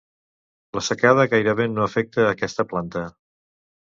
La secada gairebé no afecta a aquesta planta.